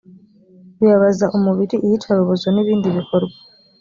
bibabaza umubiri iyicarubozo n ibindi bikorwa